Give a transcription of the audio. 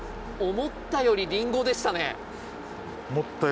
思ったよりリンゴです。